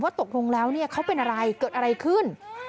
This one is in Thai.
ตกลงแล้วเขาเป็นอะไรเกิดอะไรขึ้น